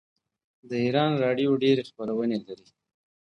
د ایران راډیو ډیرې خپرونې لري.